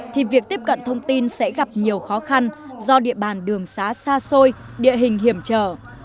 thì việc tiếp cận thông tin sẽ gặp nhiều khó khăn do địa bàn đường xá xa xôi địa hình hiểm trở